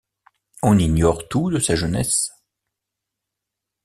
On ignore tout de sa jeunesse.